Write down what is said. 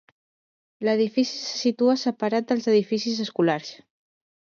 L'edifici se situa separat dels edificis escolars.